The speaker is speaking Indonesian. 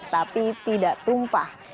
tapi tidak tumpah